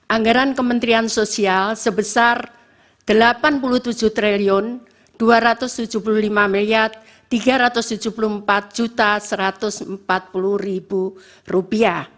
anggaran kementerian sosial sebesar rp delapan puluh tujuh triliun dua ratus tujuh puluh lima tiga ratus tujuh puluh empat satu ratus empat puluh